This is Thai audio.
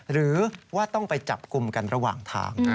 หรือว่าต้องไปจับกลุ่มกันระหว่างทาง